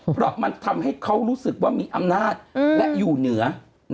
เพราะมันทำให้เขารู้สึกว่ามีอำนาจและอยู่เหนือ